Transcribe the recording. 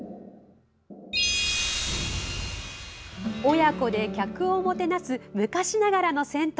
親子で客をもてなす昔ながらの銭湯。